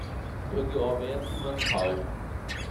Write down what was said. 佢叫我畀一千蚊佢